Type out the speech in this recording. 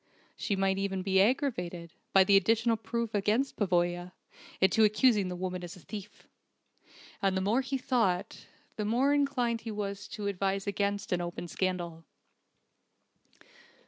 She might even be aggravated, by the additional proof against Pavoya, into accusing the woman as a thief! And the more he thought, the more inclined he was to advise against an open scandal.